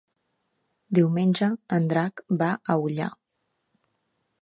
Diumenge en Drac va a Ullà.